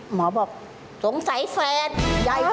หมอบอกสงสัยแฟนใหญ่เกิน